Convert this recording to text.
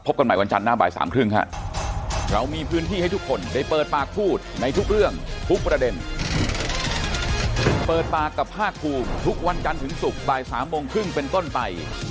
กันใหม่วันจันทร์หน้าบ่ายสามครึ่งฮะ